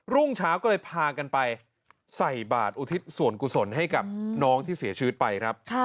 รุ่งเช้าก็เลยพากันไปใส่บาทอุทิศส่วนกุศลให้กับน้องที่เสียชีวิตไปครับ